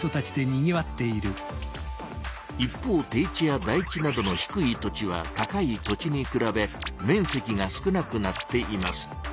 一方低地や台地などの低い土地は高い土地にくらべ面積が少なくなっています。